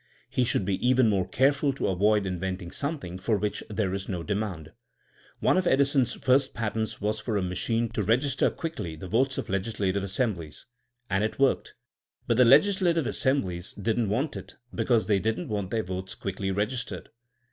He should be even more careful to avoid inventing something for which there is no demand. One of Edison's first patents was for a machine to register quickly the votes of legislative assemblies. And it worked. But the legislative assemblies didn't want it, because they didn't want their votes quickly registered.